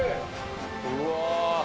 うわ。